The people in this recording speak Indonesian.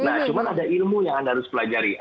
nah cuma ada ilmu yang anda harus pelajari